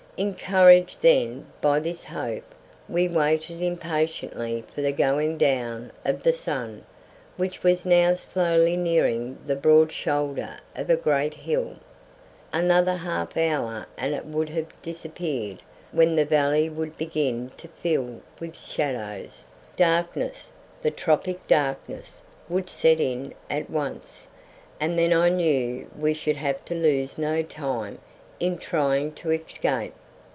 Encouraged then by this hope we waited impatiently for the going down of the sun, which was now slowly nearing the broad shoulder of a great hill. Another half hour and it would have disappeared, when the valley would begin to fill with shadows, darkness the tropic darkness would set in at once, and then I knew we should have to lose no time in trying to escape.